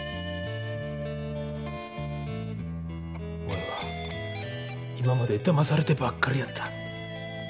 おれは今までだまされてばっかりやった。